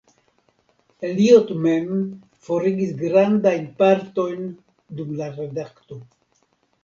Eliot mem forigis grandajn partojn dum la redakto.